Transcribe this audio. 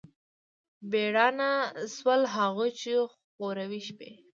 بې رڼا نه شول، هغوی چې خوروي شپې